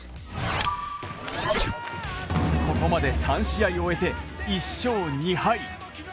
ここまで３試合終えて１勝２敗